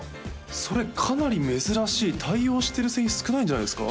それかなり珍しい対応してる製品少ないんじゃないですか？